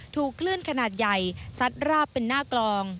ถูกคลื่นขนาดใหญ่ซัดราบเป็นหน้ากลอง